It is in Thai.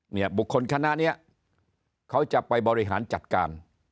เนี่ยบุคคลคณะเนี่ยเขาจะไปบริหารจัดการ